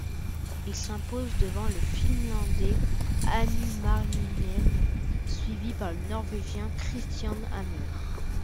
Il s'impose devant le Finlandais Hannu Manninen, suivi par le Norvégien Kristian Hammer.